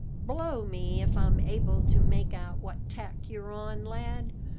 "Blow me if I'm able to make out what tack you're on, lad.